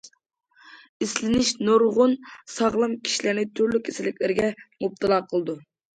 ئىسلىنىش نۇرغۇن ساغلام كىشىلەرنى تۈرلۈك كېسەللەرگە مۇپتىلا قىلىدۇ.